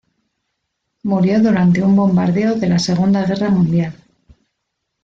Murió durante un bombardeo de la Segunda Guerra Mundial.